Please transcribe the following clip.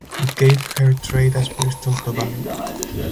It gave her trade as Bristol–Tobago.